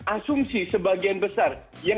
asumsi sebagian besar